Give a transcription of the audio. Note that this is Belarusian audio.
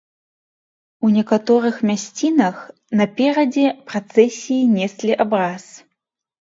У некаторых мясцінах наперадзе працэсіі неслі абраз.